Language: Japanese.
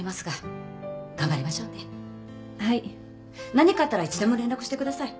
何かあったらいつでも連絡してください。